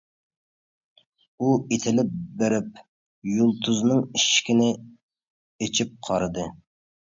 ئۇ ئېتىلىپ بېرىپ يۇلتۇزنىڭ ئىشىكىنى ئېچىپ قارىدى.